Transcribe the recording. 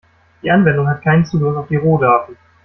Die Anwendung hat keinen Zugriff auf die Rohdaten.